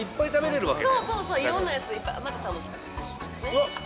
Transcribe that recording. そうそうそういろんなやついっぱい